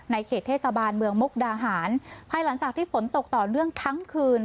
เขตเทศบาลเมืองมุกดาหารภายหลังจากที่ฝนตกต่อเนื่องทั้งคืน